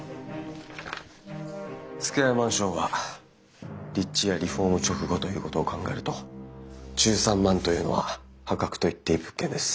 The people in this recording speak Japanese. スクエアマンションは立地やリフォーム直後ということを考えると１３万というのは破格と言っていい物件です。